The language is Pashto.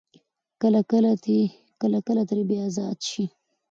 کله ترې بيا ازاد شي ـ